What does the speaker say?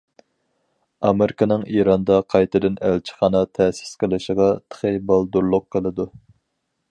ئامېرىكىنىڭ ئىراندا قايتىدىن ئەلچىخانا تەسىس قىلىشىغا تېخى بالدۇرلۇق قىلىدۇ.